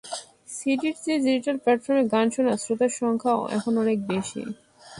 সিডির চেয়ে ডিজিটাল প্ল্যাটফর্মে গান শোনা শ্রোতার সংখ্যা এখন অনেক বেশি।